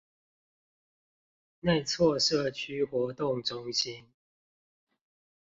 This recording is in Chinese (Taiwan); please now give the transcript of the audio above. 內厝社區活動中心